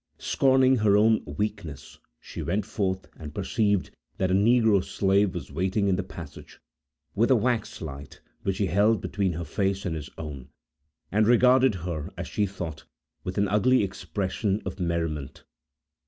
Scorning her own weakness, she went forth, and perceived that a negro slave was waiting in the passage, with a wax light, which he held between her face and his own, and regarded her, as she thought, with an ugly expression of merriment.